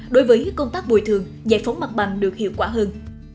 đối với công tác bồi thường giải phóng mặt bằng được hiệu quả hơn